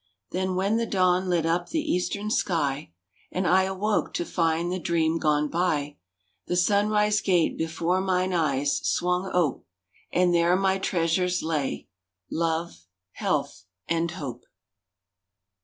Then when the dawn lit up the eastern sky And I awoke to find the dream gone by, The Sunrise Gate before mine eyes swung ope, And there my treasures lay Love, Health, and Hope!